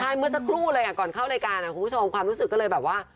ใช่เมื่อสักครู่เลยก่อนเข้ารายการคุณผู้ชมความรู้สึกก็เลยแบบว่า